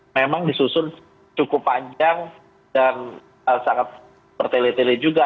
memang disusun cukup panjang dan sangat bertele tele juga